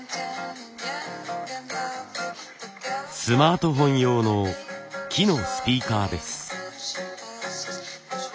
スマートフォン用の木のスピーカーです。